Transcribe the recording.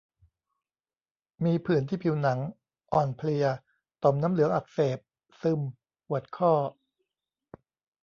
มีผื่นที่ผิวหนัง อ่อนเพลีย ต่อมน้ำเหลืองอักเสบ ซึม ปวดข้อ